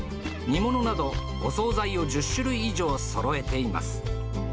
煮物など、お総菜を１０種類以上そろえています。